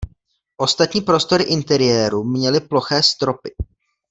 Ostatní prostory interiéru měly ploché stropy.